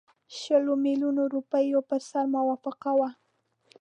شلو میلیونو روپیو پر سر موافقه وه.